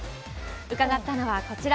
伺ったのはこちら。